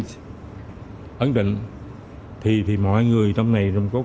hiệp hội ấn định thì mọi người trong này đồng cố cả dân